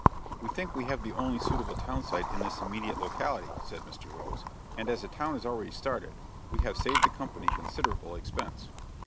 "We think we have the only suitable town site in this immediate locality," said Mr. Rose, "and as a town is already started, we have saved the company considerable expense."